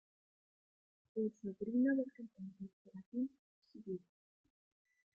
Es sobrino del cantante Serafín Zubiri.